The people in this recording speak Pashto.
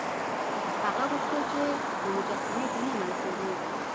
هغه غوښتل چې د مجسمې دننه وګوري.